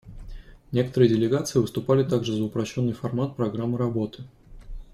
Некоторые делегации выступали также за упрощенный формат программы работы.